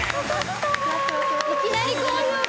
いきなり高評価。